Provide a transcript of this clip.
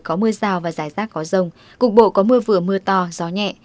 có mưa rào và rải rác có rông cục bộ có mưa vừa mưa to gió nhẹ